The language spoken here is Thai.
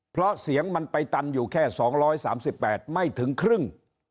เพราะเสียงมันไปตันอยู่แค่๒๓๘ไม่ถึงครึ่ง